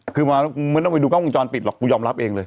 คือไม่ต้องไปดูกล้องวงจรปิดหรอกกูยอมรับเองเลย